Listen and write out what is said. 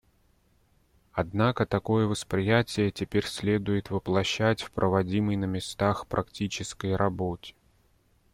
Однако такое восприятие теперь следует воплощать в проводимой на местах практической работе.